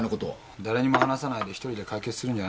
誰にも話さないで１人で解決するんじゃないの？